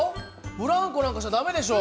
ブランコなんかしちゃ駄目でしょ。